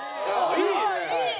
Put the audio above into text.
いい。